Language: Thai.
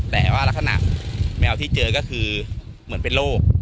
แต่ว่ารักษณะแมวที่เจอก็คือเหมือนเป็นโรค